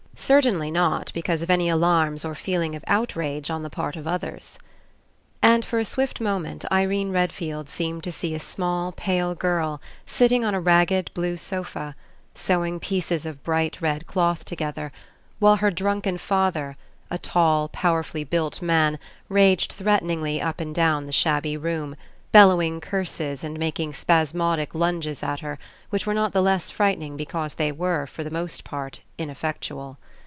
Certainly not because of any alarms or feeling of outrage on the part of others. And for a swift moment Irene Redfield seemed to see a pale small girl sitting on a ragged blue sofa, sewing pieces of bright red cloth together, while her drunken father, a tall, powerfully built man, raged threateningly up and down the shabby room, bellowing curses and making spasmodic lunges at her which were not the less frightening because they were, for the most part. Ineffectual.